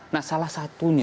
nah salah satunya